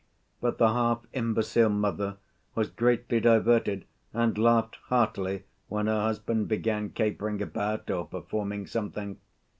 But the half‐imbecile mother was greatly diverted and laughed heartily when her husband began capering about or performing something.